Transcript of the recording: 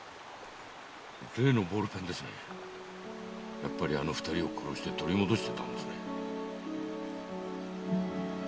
やっぱりあの２人を殺して取り戻してたんですね。